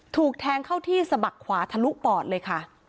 ถูกแทงเข้าที่สะบักขวาทะลุปอดเลยค่ะ